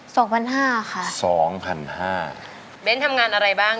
สองพันห้าค่ะสองพันห้าเบ้นทำงานอะไรบ้าง